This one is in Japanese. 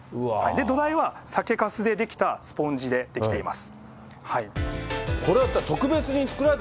土台は酒かすで出来たスポンジで出来ています。